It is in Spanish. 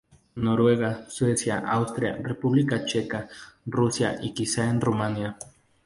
En Noruega, Suecia, Austria, República Checa, Rusia y quizá en Rumanía.